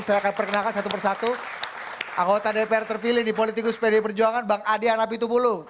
saya akan perkenalkan satu persatu anggota dpr terpilih nih politikus pd perjuangan bang adian apitupulu